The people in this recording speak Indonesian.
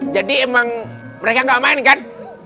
jadi emang mereka gak main kan